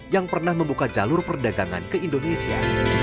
yang pernah membuka jalur perdagangan ke indonesia